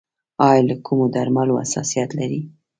ایا له کومو درملو حساسیت لرئ؟